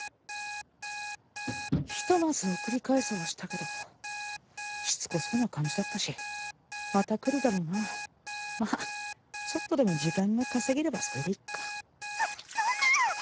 ひとまず送り返せはしたけどしつこそーなカンジだったしまた来るだろうなまあちょっとでも時間が稼げればそれでいっかそそんな！